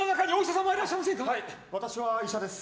はい、私は医者です。